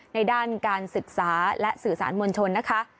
ในด้านการศึกษาและสื่อสารมวลชนนะคะ